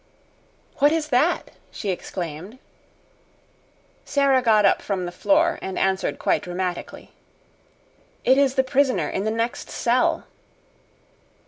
"What is that?" she exclaimed. Sara got up from the floor and answered quite dramatically: "It is the prisoner in the next cell."